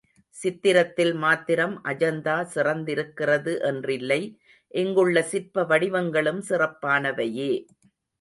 சித்திரத்தில் மாத்திரம் அஜந்தா சிறந்திருக்கிறது என்றில்லை இங்குள்ள சிற்ப வடிவங்களும் சிறப்பானவையே.